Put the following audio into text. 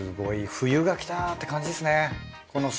冬が来たって感じですね。